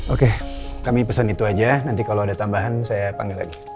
oke kami pesan itu aja nanti kalau ada tambahan saya panggil lagi